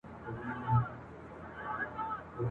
بیرغچي زخمي کېده.